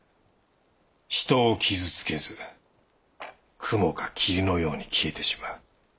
人を傷つけず雲か霧のように消えてしまう。